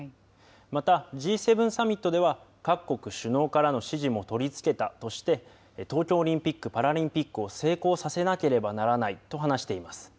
また、Ｇ７サミットでは各国首脳からの支持も取り付けたとして、東京オリンピック・パラリンピックを成功させなければならないと話しています。